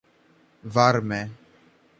varme